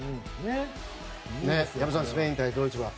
矢部さんスペイン対ドイツは？